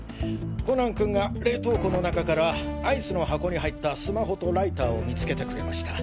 コナン君が冷凍庫の中からアイスの箱に入ったスマホとライターを見つけてくれました。